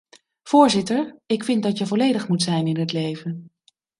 Voorzitter, ik vind dat je volledig moet zijn in het leven.